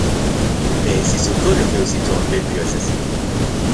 Mais Sissoko le fait aussitôt enlever puis assassiner.